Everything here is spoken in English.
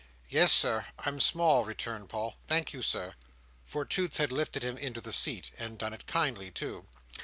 "Yes, Sir, I'm small," returned Paul. "Thank you, Sir." For Toots had lifted him into the seat, and done it kindly too.